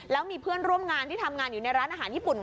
แล้วมีเพื่อนร่วมงานที่ทำงานอยู่ในร้านอาหารญี่ปุ่น